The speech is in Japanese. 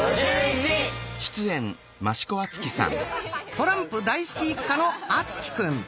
トランプ大好き一家の敦貴くん。